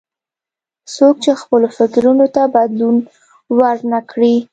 څوک چې خپلو فکرونو ته بدلون ور نه کړي.